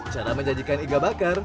cara menjajikan iga bakar